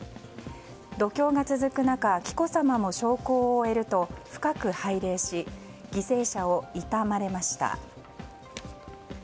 読経が続く中紀子さまも焼香を終えると深く拝礼し犠牲者を悼まれました。